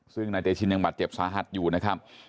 ซึ่งนายเตชินยังบาดเจ็บสาหัสอยู่นะครับ